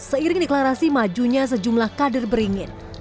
seiring deklarasi majunya sejumlah kader beringin